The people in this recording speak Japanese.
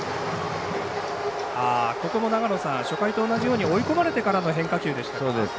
初回と同じように追い込まれてからの変化球でしたか。